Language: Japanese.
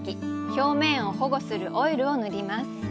表面を保護するオイルを塗ります。